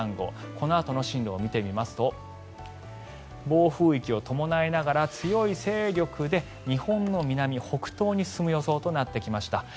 このあとの進路を見てみますと暴風域を伴いながら強い勢力で日本の南、北東に進む予想となってきました。